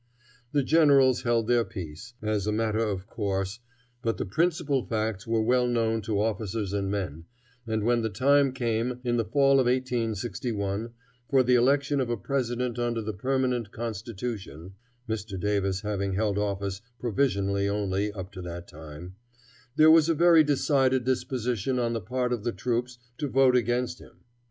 The generals held their peace, as a matter of course, but the principal facts were well known to officers and men, and when the time came, in the fall of 1861, for the election of a president under the permanent constitution (Mr. Davis having held office provisionally only, up to that time), there was a very decided disposition on the part of the troops to vote against him.